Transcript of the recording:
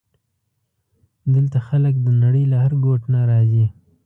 دلته خلک د نړۍ له هر ګوټ نه راځي.